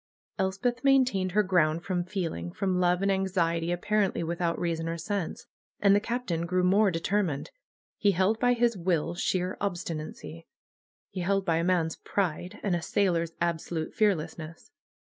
Elspeth maintained her ground from feeling, from love, and anxiety, apparently without reason or sense. And the Captain grew more determined. He held by his will, sheer obstinacy. He held by a man's pride, and a sailor's absolute fearlessness.